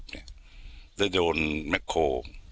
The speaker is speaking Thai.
จะได้โดนแมคโคร